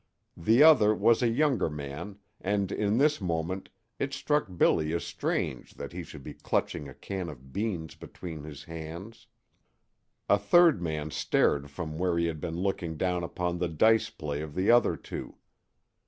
The other was a younger man, and in this moment it struck Billy as strange that he should be clutching a can of beans between his hands. A third man stared from where he had been looking down upon the dice play of the other two.